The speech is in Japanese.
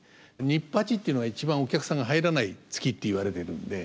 ニッパチっていうのが一番お客さんが入らない月って言われてるんで。